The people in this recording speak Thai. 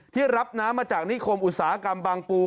รับน้ำมาจากนิคมอุตสาหกรรมบางปู